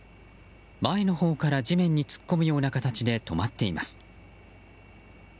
前のほうから地面に突っ込むような形で止まっています。